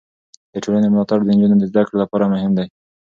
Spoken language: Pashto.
د ټولنې ملاتړ د نجونو د زده کړې لپاره مهم دی.